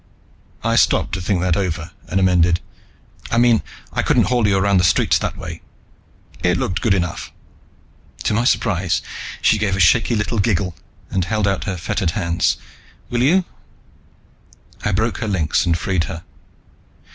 I stopped to think that over, and amended: "I mean I couldn't haul you around the streets that way. It looked good enough." To my surprise, she gave a shaky little giggle, and held out her fettered hands. "Will you?" I broke her links and freed her.